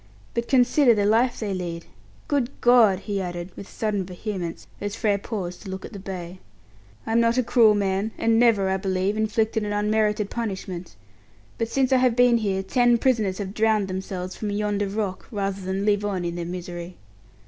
"But consider the life they lead. Good God!" he added, with sudden vehemence, as Frere paused to look at the bay. "I'm not a cruel man, and never, I believe, inflicted an unmerited punishment, but since I have been here ten prisoners have drowned themselves from yonder rock, rather than live on in their misery.